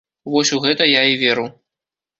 Вось у гэта я і веру.